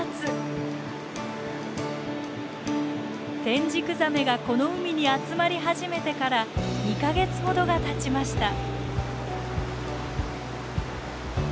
テンジクザメがこの海に集まり始めてから２か月ほどがたちました。